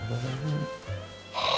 はあ。